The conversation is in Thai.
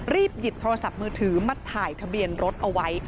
หยิบโทรศัพท์มือถือมาถ่ายทะเบียนรถเอาไว้